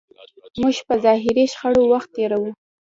موږ په ظاهري شخړو وخت تېروو.